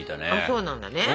そうなんだね。